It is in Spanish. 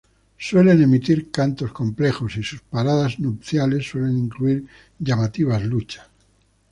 Suelen emitir cantos complejos, y sus paradas nupciales suelen incluir llamativas luchas.